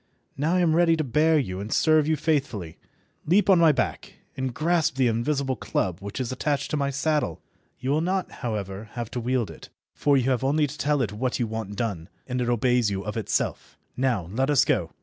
Now I am ready to bear you and serve you faithfully. Leap on my back and grasp the invisible club which is attached to my saddle. You will not, however, have to wield it, for you have only to tell it what you want done and it obeys you of itself. Now let us go.